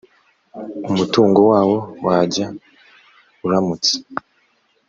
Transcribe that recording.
umutungo wawo wajya uramutse